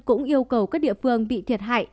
cũng yêu cầu các địa phương bị thiệt hại